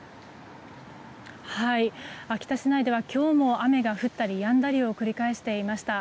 秋田市内では今日も雨が降ったりやんだりを繰り返していました。